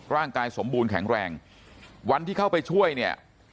ร่างกายสมบูรณ์แข็งแรงวันที่เข้าไปช่วยเนี่ย